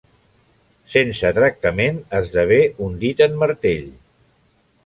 Sense tractament esdevé un dit en martell.